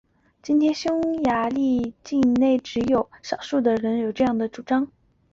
今天匈牙利境内只有少数人还有这样的主张。